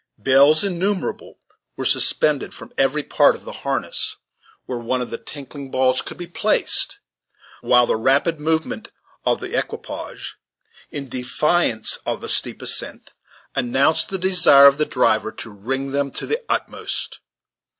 Bells innumerable were suspended from every part of the harness where one of the tinkling balls could be placed, while the rapid movement of the equipage, in defiance of the steep ascent, announced the desire of the driver to ring them to the utmost.